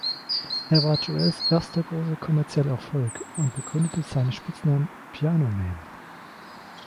Er war Joels erster großer kommerzieller Erfolg und begründete seinen Spitznamen „Piano Man“.